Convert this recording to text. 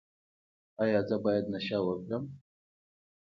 ایا زه باید نشه وکړم؟